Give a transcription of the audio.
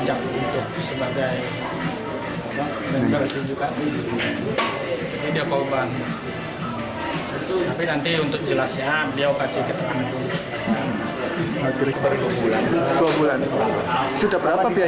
tidak tahu lupa sih